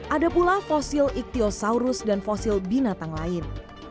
ada pula fosil ichthyosaurus dan fosil binatang lain